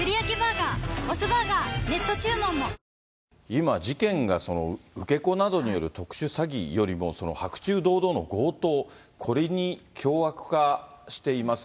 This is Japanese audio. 今、事件が受け子などによる特殊詐欺よりも、白昼堂々の強盗、これに凶悪化しています。